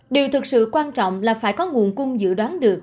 điều thực sự quan trọng là phải có nguồn cung dự đoán được